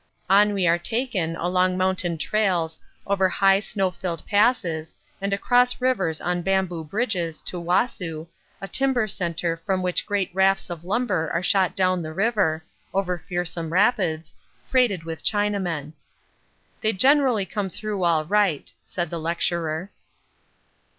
On we were taken along mountain trails over high snow filled passes and across rivers on bamboo bridges to Wassoo, a timber centre from which great rafts of lumber are shot down the river, over fearsome rapids, freighted with Chinamen. 'They generally come through all right,' said the lecturer.